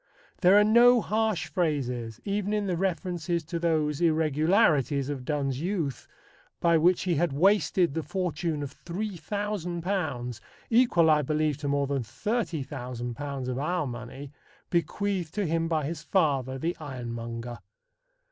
There are no harsh phrases even in the references to those irregularities of Donne's youth, by which he had wasted the fortune of £3,000 equal, I believe, to more than £30,000 of our money bequeathed to him by his father, the ironmonger.